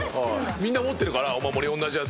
みんな持ってるお守り。